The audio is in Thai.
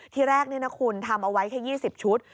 ที่แรกนี่นะคุณทำเอาไว้แค่๒๐ชุด